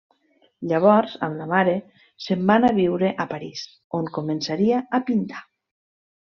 Llavors, amb la mare, se'n van a viure a París, on començaria a pintar.